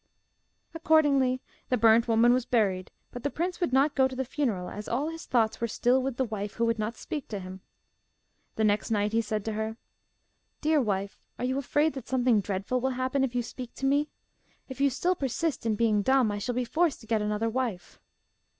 Accordingly the burnt woman was buried, but the prince would not go to the funeral as all his thoughts were still with the wife who would not speak to him. The next night he said to her, 'Dear wife, are you afraid that something dreadful will happen if you speak to me? If you still persist in being dumb, I shall be forced to get another wife.